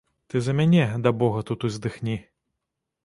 Ты за мяне да бога тут уздыхні.